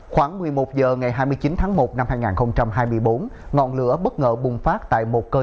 khoảng một mươi một h ngày hai mươi chín tháng một năm hai nghìn hai mươi bốn ngọn lửa bất ngờ bùng phát tại một cơ sở